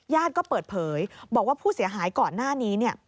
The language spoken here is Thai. ก็เปิดเผยบอกว่าผู้เสียหายก่อนหน้านี้